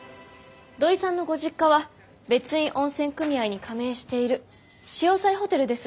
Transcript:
土井さんのご実家は別院温泉組合に加盟しているしおさいホテルです。